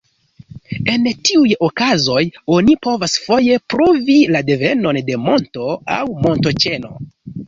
En tiuj okazoj oni povas foje pruvi la devenon de monto aŭ montoĉeno.